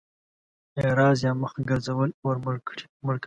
اعراض يا مخ ګرځول اور مړ کوي.